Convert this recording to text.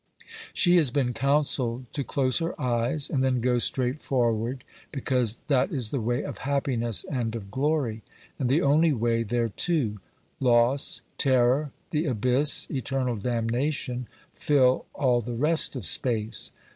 She has been counselled to close her eyes and then go straight forward, because that is the way of happiness and of glory, and the only way thereto ; loss, terror, the abyss, eternal damnation, fill all the rest of space.